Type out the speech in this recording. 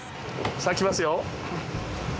さぁきますよ。